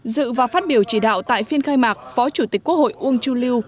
dự và phát biểu chỉ đạo tại phiên khai mạc phó chủ tịch quốc hội uông chu lưu